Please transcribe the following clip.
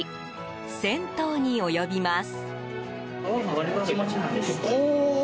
１０００頭に及びます。